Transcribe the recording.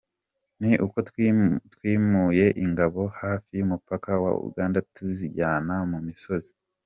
Ni uko twimuye ingabo hafi y’umupaka wa Uganda tuzijyana mu misozi.”